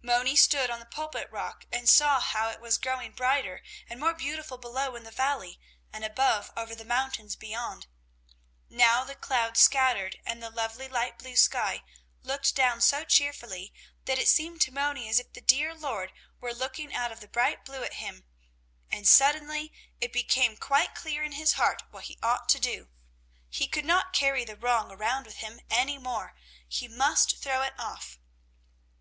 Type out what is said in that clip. Moni stood on the Pulpit rock and saw how it was growing brighter and more beautiful below in the valley and above over the mountains beyond. Now the clouds scattered and the lovely light blue sky looked down so cheerfully that it seemed to Moni as if the dear Lord were looking out of the bright blue at him, and suddenly it became quite clear in his heart what he ought to do. He could not carry the wrong around with him any more; he must throw it off.